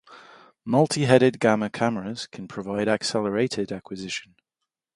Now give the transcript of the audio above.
Multi-headed gamma cameras can provide accelerated acquisition.